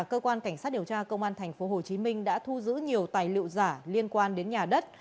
cơ quan cảnh sát điều tra công an tp hcm đã thu giữ nhiều tài liệu giả liên quan đến nhà đất